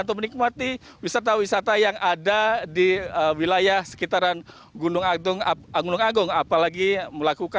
untuk menikmati wisata wisata yang ada di wilayah sekitar pulau bali ini